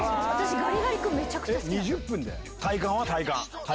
ガリガリ君めちゃくちゃ好きで。